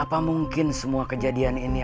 apa mungkin semua kejadian ini